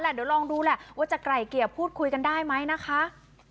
เดี๋ยวลองดูแหละว่าจะไกลเกลี่ยพูดคุยกันได้ไหมนะคะ